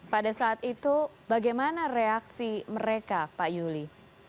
pada saat itu bagaimana reaksi mereka pak yuli